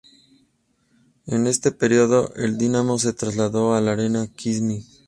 En este período, el Dinamo se trasladó al Arena Khimki.